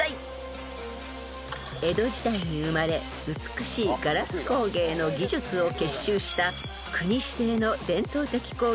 ［江戸時代に生まれ美しいガラス工芸の技術を結集した］